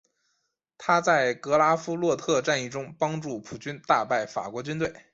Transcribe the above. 他在格拉夫洛特战役中帮助普军大败法国军队。